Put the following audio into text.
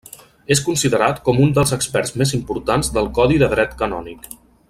És considerat com un dels experts més importants del Codi de Dret Canònic.